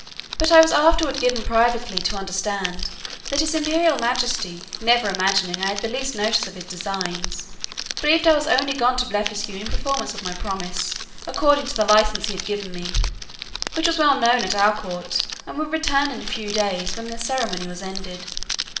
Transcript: But I was afterward given privately to understand, that his imperial majesty, never imagining I had the least notice of his designs, believed I was only gone to Blefuscu in performance of my promise, according to the license he had given me, which was well known at our court, and would return in a few days, when the ceremony was ended.